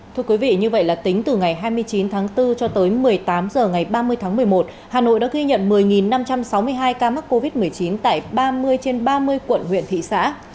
thưa quý vị như vậy là tính từ ngày hai mươi chín tháng bốn cho tới một mươi tám h ngày ba mươi tháng một mươi một hà nội đã ghi nhận một mươi năm trăm sáu mươi hai ca mắc covid một mươi chín tại ba mươi trên ba mươi quận huyện thị xã